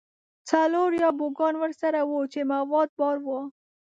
څلور یا بوګان ورسره وو چې مواد بار وو.